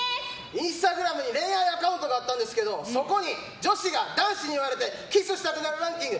インスタグラムに恋愛アカウントがあったんですけどそこに女子が男子に言われてキスしたくなるランキング